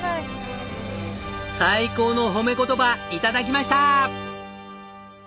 最高の褒め言葉頂きました！